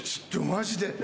マジで。